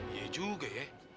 iya juga ya